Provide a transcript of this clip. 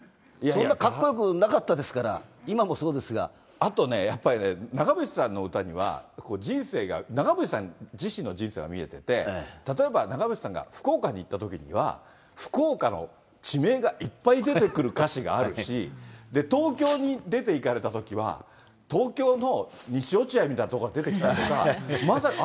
そんなかっこよくなかったですかあとね、やっぱりね、長渕さんの歌には、人生が、長渕さん自身の人生が見えてて、例えば長渕さんが福岡に行ったときには、福岡の地名がいっぱい出てくる歌詞があるし、東京に出ていかれたときは、東京の西落合みたいな所が出てきたりとか、まさに。